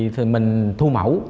thì mình thu mẫu